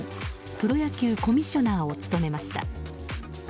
プロ野球コミッショナーを務めました。